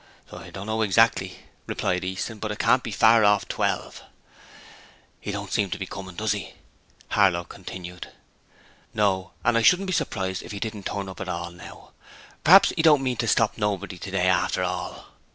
'I don't know exactly,' replied Easton, 'but it can't be far off twelve.' ''E don't seem to be comin', does 'e?' Harlow continued. 'No: and I shouldn't be surprised if 'e didn't turn up at all, now. P'raps 'e don't mean to stop nobody today after all.'